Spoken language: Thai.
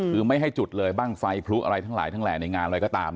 คือไม่ให้จุดเลยบ้างไฟพลุอะไรทั้งหลายทั้งแหล่ในงานอะไรก็ตาม